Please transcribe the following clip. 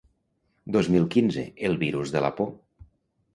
Dos mil quinze: El virus de la por.